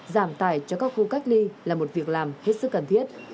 giảm tài cho các khu cất ly là một việc làm hết sức cần thiết